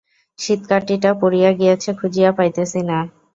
সিঁধকাটিটা পড়িয়া গিয়াছে খুঁজিয়া পাইতেছি না।